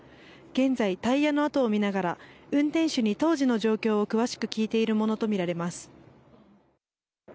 現在、タイヤの跡を見ながら運転手に当時の状況を詳しく聞いているものと見られます。